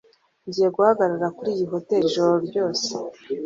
Ngiye guhagarara kuriyi hoteri ijoro ryose.